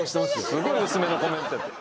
すごい薄めのコメントやった。